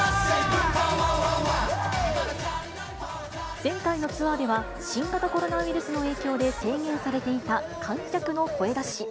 前回のツアーでは、新型コロナウイルスの影響で制限されていた観客の声出し。